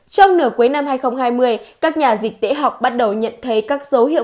trong nửa cuối năm hai nghìn hai mươi các nhà dịch tễ học bắt đầu nhận thấy các dấu hiệu